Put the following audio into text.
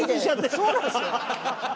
そうなんですよ。